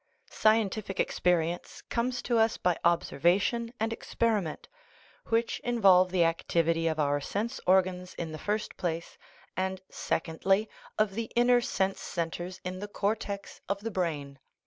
Scien tific experience comes to us by observation and experi ment, which involve the activity of our sense organs in the first place, and, secondly, of the inner sense centres in the cortex of the brain.